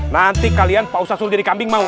nanti pak ustad suruh jadi kambing mau